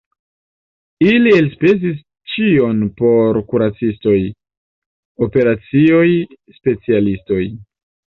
Mi elspezis ĉion por kuracistoj, operacioj, specialistoj.